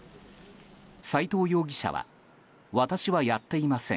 斎藤容疑者は私はやっていません